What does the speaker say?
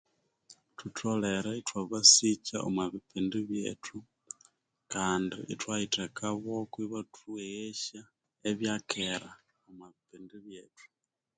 Thutholere ithwabasikya omwa bipindi byethu, kandi ithwayitheka boko obathweghesya ebya kera, omwa bipindi byethu.